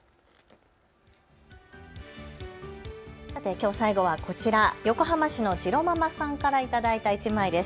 きょう最後はこちら、横浜市のじろままさんから頂いた１枚です。